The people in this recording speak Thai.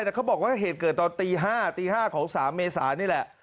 แต่เขาบอกว่าเหตุเกิดตอนตี๕ตี๕ของ๓เมษานี่แหละ